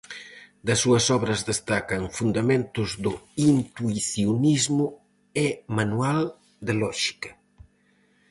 Das súas obras destacan Fundamentos do intuicionismo e Manual de lóxica.